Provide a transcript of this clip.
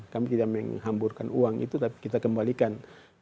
kami tidak menghamburkan uang itu tapi kita kembalikan